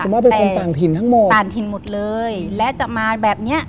ว่าเป็นคนต่างถิ่นทั้งหมดต่างถิ่นหมดเลยและจะมาแบบเนี้ย